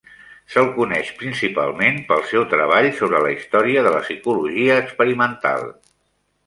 Se'l coneix principalment pel seu treball sobre la història de la psicologia experimental.